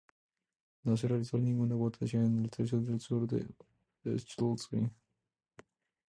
No se realizó ninguna votación en el tercio sur de Schleswig.